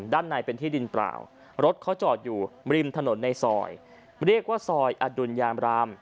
ด้านในเป็นที่ดินเปล่ารถเขาจอดอยู่ริมถนนในซอยเรียกว่าซอยอดุลยามราม